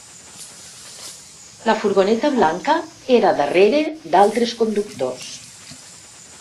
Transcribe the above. La furgoneta blanca era darrere d'altres conductors.